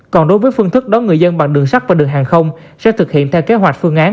còn đối với phương thức đón người dân bằng đường sắt và đường hàng không sẽ thực hiện theo kế hoạch phương án